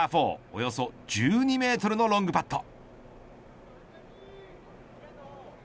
およそ１２メートルのロングパット。